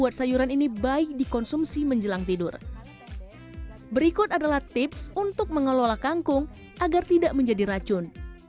dan konsumsi menjelang tidur berikut adalah tips untuk mengelola kangkung agar tidak menjadi racun